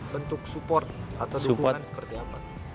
bentuk support atau dukungan seperti apa